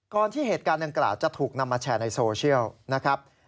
ที่เหตุการณ์ดังกล่าวจะถูกนำมาแชร์ในโซเชียลนะครับ